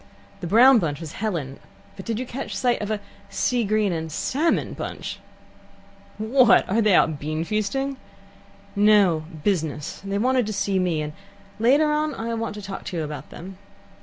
"The brown bunch was Helen, but did you catch sight of a sea green and salmon bunch?" "What! are they out beanfeasting?" "No; business. They wanted to see me, and later on I want to talk to you about them."